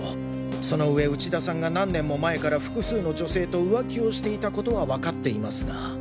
その上内田さんが何年も前から複数の女性と浮気をしていた事はわかっていますが。